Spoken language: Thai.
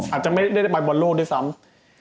อาจจะไม่ได้ไปบอลโลกด้วยซ้ำ